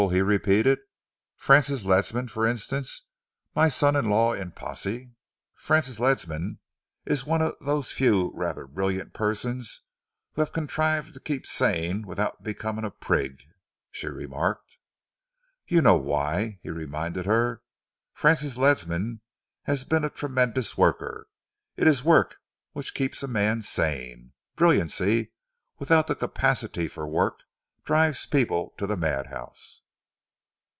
he repeated. "Francis Ledsam, for instance my son in law in posse?" "Francis Ledsam is one of those few rather brilliant persons who have contrived to keep sane without becoming a prig," she remarked. "You know why?" he reminded her. "Francis Ledsam has been a tremendous worker. It is work which keeps a man sane. Brilliancy without the capacity for work drives people to the madhouse."